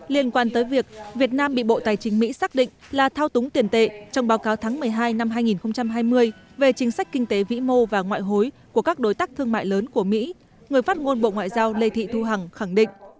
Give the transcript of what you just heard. liên quan tới việc việt nam bị bộ tài chính mỹ xác định là thao túng tiền tệ trong báo cáo tháng một mươi hai năm hai nghìn hai mươi về chính sách kinh tế vĩ mô và ngoại hối của các đối tác thương mại lớn của mỹ người phát ngôn bộ ngoại giao lê thị thu hằng khẳng định